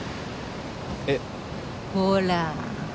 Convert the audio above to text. えっ？ほら。